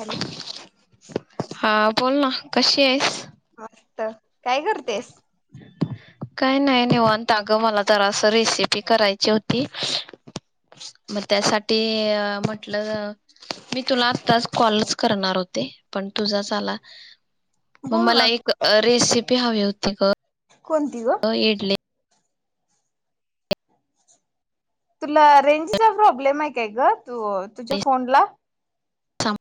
Hello हा. बोल न, कशी आहेस? मस्त. काय करतेस? काय नाय निवांत अग, मला तर असं रेसिपी करायची होती, मं त्यासाठी अं.. म्हटलं, मी तुला आताच कॉलच करणार होते. पन तुझाच आला. मं बोल मला ना एक अं रेसिप ते हवे होते ग पन. कोनती ग? तुला रेंजचा प्रॉब्लेम आहे काय गं तू तुझ्या फोनला थांब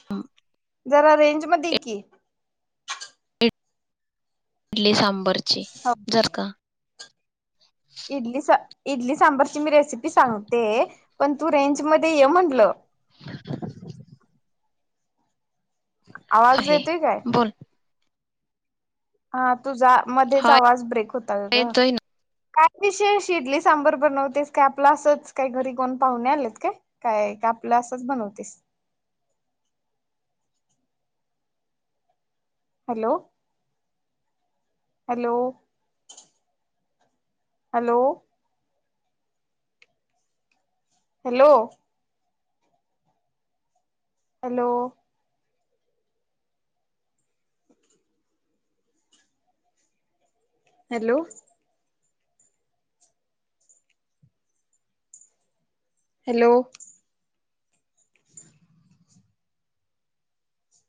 [inaudible] जरा रेंज मध्ये ये की इडली सांबर हो जर का इडली स इडली सांबरची मी रेसि रेसिपी सांगते पण तू रेंज मध्ये ये म्हटलं आवाज आहे येतोय काय बोल हा तुझा मध्येच हा आवाज ब्रेक होता येतोय ग ना विशेष इडली सांबर बनवतेस काय आपलं असंच काही घरी कोण पाहुणे आलेत काय काय आपलं असंच बनवतेस? Hello, hello hello hello hello hello hello